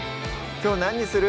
きょう何にする？